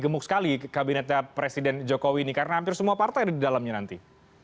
gemuk sekali kabinetnya presiden jokowi ini karena hampir semua partai ada di dalamnya nanti